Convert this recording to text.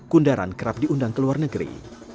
kundaran kerap diundang ke luar negeri